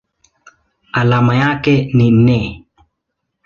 Alama yake ni Ne.